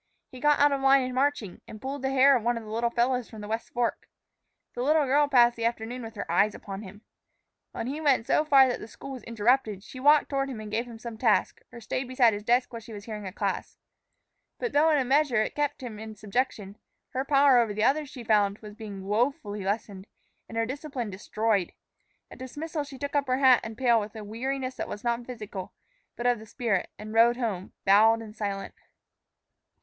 He got out of line in marching, and pulled the hair of one of the little fellows from the West Fork. The little girl passed the afternoon with her eyes upon him. When he went so far that the school was interrupted, she walked toward him and gave him some task, or stayed beside his desk while she was hearing a class. But though in a measure it kept him in subjection, her power over the others, she found, was being woefully lessened, and her discipline destroyed. At dismissal she took up her hat and pail with a weariness that was not physical, but of the spirit, and rode home, bowed and silent.